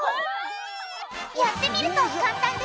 やってみると簡単でしょ！